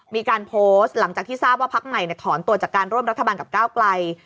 มีการโพสต์หลังจากที่ทราบว่าพักใหม่ถอนตัวจากการร่วมรัฐบาลกับก้าวไกล